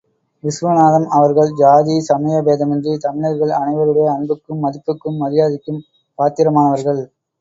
விசுவநாதம் அவர்கள் சாதி, சமய பேதமின்றி தமிழர்கள் அனைவருடைய அன்புக்கும், மதிப்புக்கும், மரியாதைக்கும் பாத்திரமானவர்கள்.